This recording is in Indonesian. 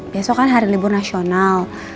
besok kan hari libur nasional